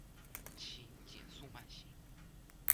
请减速慢行